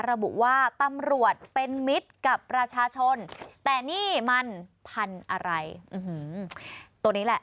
ระบุว่าตำรวจเป็นมิตรกับประชาชนแต่นี่มันพันธุ์อะไรตัวนี้แหละ